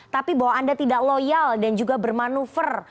tapi bahwa anda tidak loyal dan juga bermanuver